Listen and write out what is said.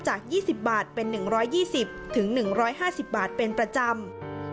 จาก๒๐บาทเป็น๑๒๐๑๕๐บาทเป็นประจำ